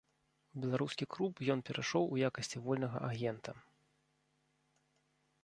У беларускі клуб ён перайшоў у якасці вольнага агента.